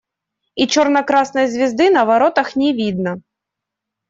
И черно-красной звезды на воротах не видно.